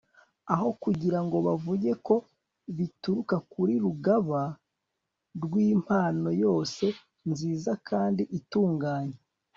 aho kugira ngo bavuge ko bituruka kuri Rugaba rwimpano yose nziza kandi itunganye